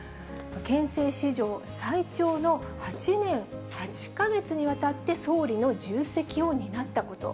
憲政史上最長の８年８か月にわたって総理の重責を担ったこと。